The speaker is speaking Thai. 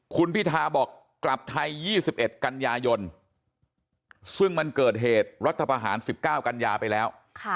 คุณพิทาบอกกลับไทย๒๑กันยายนซึ่งมันเกิดเหตุรัฐประหาร๑๙กันยาไปแล้ว